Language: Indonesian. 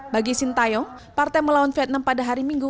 bagi sintayong partai melawan vietnam pada hari minggu